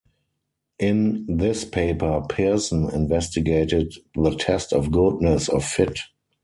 In this paper, Pearson investigated the test of goodness of fit.